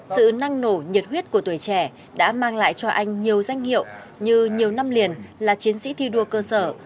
sự năng nổ nhiệt huyết của tuổi trẻ đã mang lại cho anh nhiều danh hiệu như nhiều năm liền là chiến sĩ thi đua cơ sở